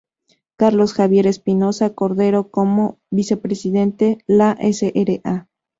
Carlos Xavier Espinoza Cordero como Vicepresidente, la Sra.